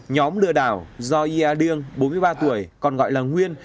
nhóm lừa đảo do yê a đương bốn mươi ba tuổi còn gọi là nguyên